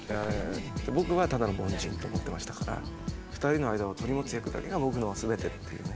僕はただの凡人って思ってましたから２人の間を取り持つ役だけが僕の全てっていうね。